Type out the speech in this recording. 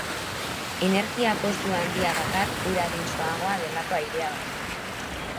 Energia-kostu handia dakar, ura dentsoagoa delako airea baino.